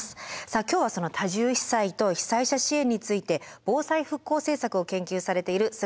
さあ今日はその多重被災と被災者支援について防災・復興政策を研究されている菅野拓さんに伺います。